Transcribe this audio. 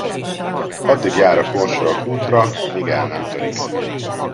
Addig jár a korsó a kútra, míg el nem törik.